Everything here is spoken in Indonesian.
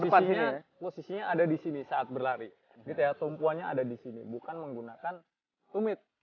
posisinya ada disini saat berlari gitu ya tumpuannya ada disini bukan menggunakan tumit